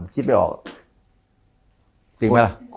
จริงไหมละ